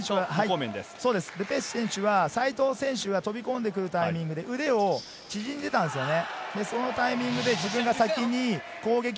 ル・ペシュ選手は西藤選手が飛び込んでくるタイミングで腕が縮んでいったんですね。